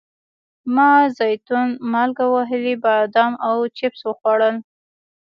ما زیتون، مالګه وهلي بادام او چپس وخوړل.